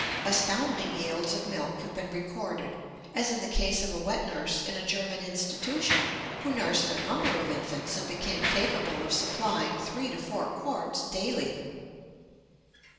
Astounding yields of milk have been recorded, as in the case of a wet nurse in a German institution who nursed a number of infants and became capable of supplying three to four quarts daily.